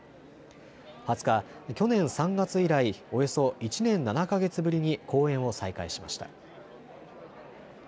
２０日、去年３月以来、およそ１年７か月ぶりに公演を再開しました。